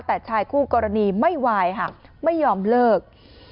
แต่ชายคู่กรณีไม่ไหวค่ะไม่ยอมเลิก